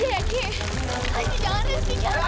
rizky mama aku mustahak